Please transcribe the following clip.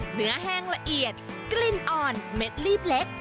แห้งละเอียดกลิ่นอ่อนเม็ดลีบเล็ก